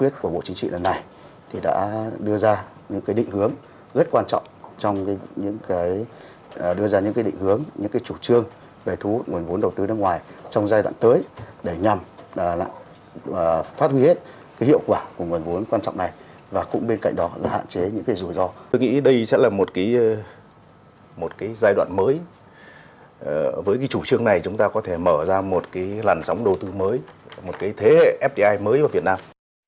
tôi nghĩ đây sẽ là một giai đoạn mới với chủ trương này chúng ta có thể mở ra một làn sóng đầu tư mới một thế hệ fdi mới vào việt nam